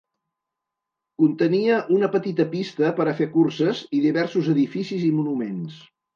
Contenia una petita pista per a fer curses i diversos edificis i monuments.